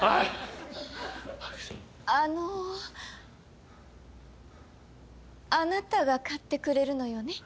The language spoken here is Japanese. あのあなたが買ってくれるのよね？